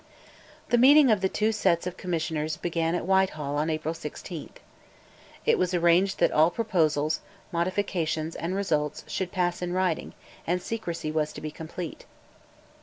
The meetings of the two sets of Commissioners began at Whitehall on April 16. It was arranged that all proposals, modifications, and results should pass in writing, and secrecy was to be complete.